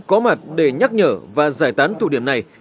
có mặt để nhắc nhở và giải tán tụ điểm này